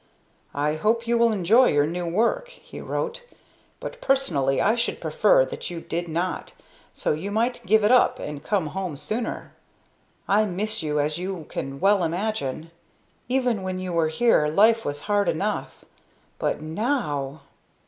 "I hope you will enjoy your new work," he wrote, "but personally I should prefer that you did not so you might give it up and come home sooner. I miss you as you can well imagine. Even when you were here life was hard enough but now!!!!!!